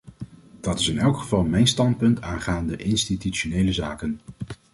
Dat is in elk geval mijn standpunt aangaande institutionele zaken.